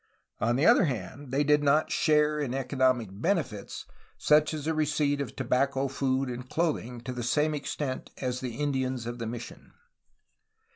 On the other hand they did not share in economic benefits, such as the receipt of tobacco, food, and clothing, to the same extent as the Indians of the mission.